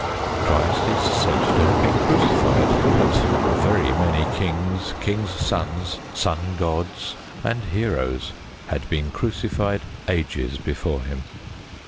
Christ is said to have been crucified. But very many kings, kings' sons, son gods, and heroes had been crucified ages before Him.